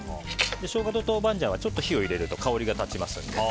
ショウガと豆板醤は火を入れると香りが立ちますので。